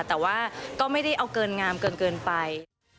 แต่ว่าก็ไม่ได้เอาเกินงามเกินไป